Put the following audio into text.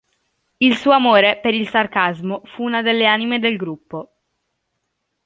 Il suo amore per il sarcasmo fu una delle anime del gruppo.